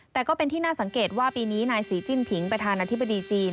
แต่ก็เป็นที่น่าสังเกตว่าปีนี้นายศรีจิ้นผิงประธานาธิบดีจีน